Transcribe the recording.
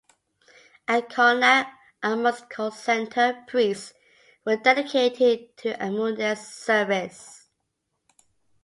At Karnak, Amun's cult center, priests were dedicated to Amunet's service.